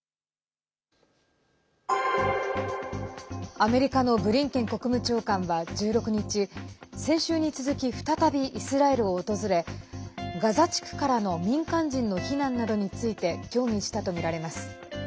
アメリカのブリンケン国務長官は１６日先週に続き再びイスラエルを訪れガザ地区からの民間人の避難などについて協議したとみられます。